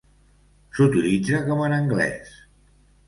S'utilitza com en anglès.